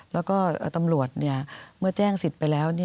แล้วก็ตำรวจเมื่อแจ้งสิทธิ์ไปแล้ว